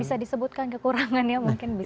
bisa disebutkan kekurangan ya mungkin bisa